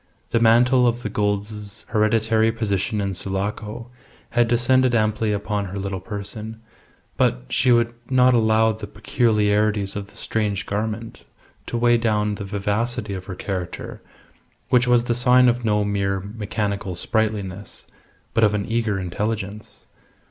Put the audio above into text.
The mantle of the Goulds' hereditary position in Sulaco had descended amply upon her little person; but she would not allow the peculiarities of the strange garment to weigh down the vivacity of her character, which was the sign of no mere mechanical sprightliness, but of an eager intelligence.